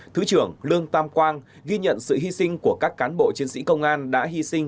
thứ trưởng lương tam quang ghi nhận sự hy sinh của các cán bộ chiến sĩ công an đã hy sinh